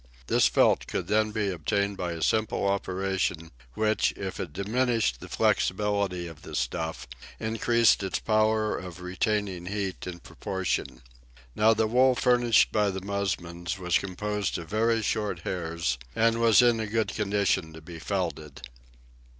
This felt could then be obtained by a simple operation which, if it diminished the flexibility of the stuff, increased its power of retaining heat in proportion. Now the wool furnished by the musmons was composed of very short hairs, and was in a good condition to be felted.